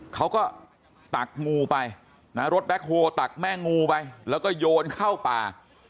ตักงูไปนะรถแบ็คโฮลตักแม่งูไปแล้วก็โยนเข้าป่า